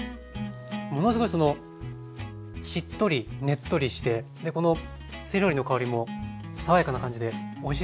ものすごいしっとりねっとりしてでこのセロリの香りも爽やかな感じでおいしいですね。